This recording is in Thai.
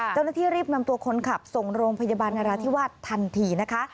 เจ้าหน้าที่รีบนำตัวคนขับส่งโรงพยาบาลนราธิวาสทันทีนะคะ